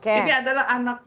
ini adalah anak